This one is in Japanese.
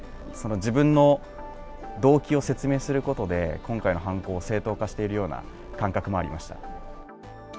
自分の動機を説明することで、今回の犯行を正当化しているような感覚もありました。